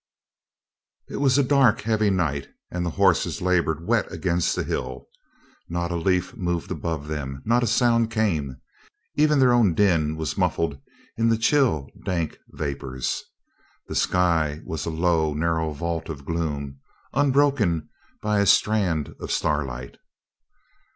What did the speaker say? It was a dark, heavy night and the horses labored wet against the hill. Not a leaf moved above them, not a sound came. Even their own din was muffled in the chill, dank vapors. The sky was a low, nar row vault of gloom, unbroken by a strand of star light.